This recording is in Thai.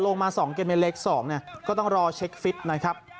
ลงมา๒เกมในเล็ก๒เนี่ยก็ต้องรอเช็คฟิตนะครับ